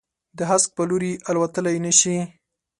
د هسک په لوري، الوتللای نه شي